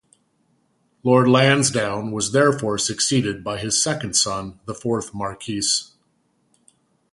Lord Lansdowne was therefore succeeded by his second son, the fourth Marquess.